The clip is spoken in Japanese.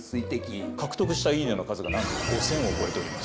獲得した「いいね」の数がなんと５０００を超えております。